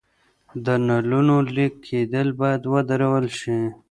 د نلونو لیک کیدل باید ودرول شي.